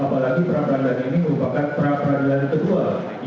apalagi pra peradilan ini merupakan pra peradilan yang sangat berhasil